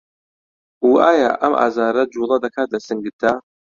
و ئایا ئەم ئازاره جووڵه دەکات لە سنگتدا؟